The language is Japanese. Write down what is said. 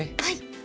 はい。